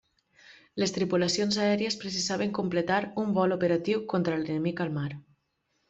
Les tripulacions aèries precisaven completar un vol operatiu contra l'enemic al mar.